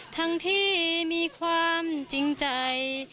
ทั้งที่มีความจริงใจ